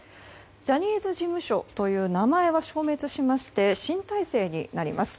ジャニーズ事務所という名前は消滅しまして新体制になります。